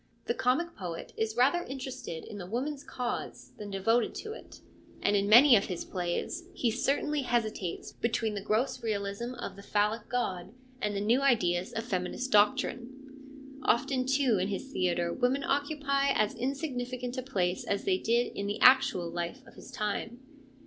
The comic poet is rather interested in the woman's cause than devoted to it, and in many of his plays ARISTOPHANES 153 he certainly hesitates between the gross realism of the phallic god and the new ideas of feminist doctrine. Often, too, in his theatre women occupy as insfgni ficant a place as they did in the actual life of his time.